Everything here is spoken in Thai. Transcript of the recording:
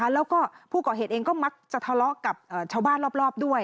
แล้วก็ผู้ก่อเหตุเองก็มักจะทะเลาะกับชาวบ้านรอบด้วย